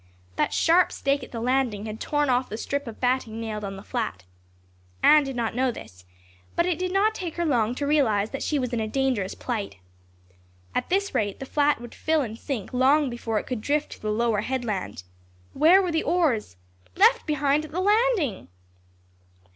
That sharp stake at the landing had torn off the strip of batting nailed on the flat. Anne did not know this, but it did not take her long to realize that she was in a dangerous plight. At this rate the flat would fill and sink long before it could drift to the lower headland. Where were the oars? Left behind at the landing!